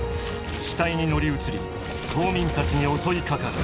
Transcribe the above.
死体に乗り移り島民たちに襲いかかる。